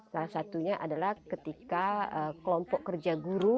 salah satunya adalah ketika kelompok kerja guru